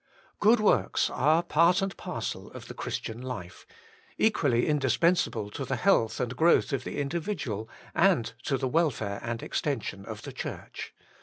Good works are part and parcel of the Christian life, equally indispensable to the health and growth of the individual, and to the welfare and extension of the Church.